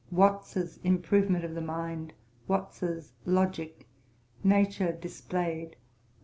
Watts's Improvement of the Mind. Watts's Logick. Nature Displayed.